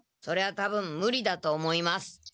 それは多分ムリだと思います。